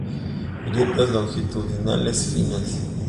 Grietas longitudinales finas.